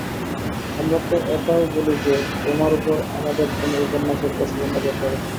আমরা তো এটাই বলি যে, তোমার উপর আমাদের কোন উপাস্যের অশুভ নজর পড়েছে।